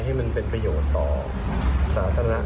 ให้มันเป็นประโยชน์ต่อสาธารณะ